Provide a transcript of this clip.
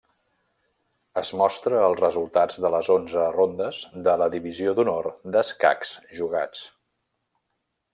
Es mostra els resultats de les onze rondes de la divisió d'honor d'escacs jugats.